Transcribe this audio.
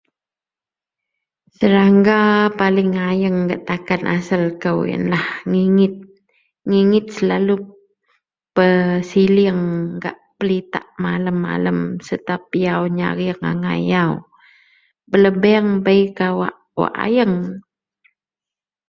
Serangga paling ayeng gak takan asel kou iyenlah ngingit, ngingit selalu pesileng gak pelitak malem-malem serta piyau ngareng angai. Belebeng bei kawak wak ayeng.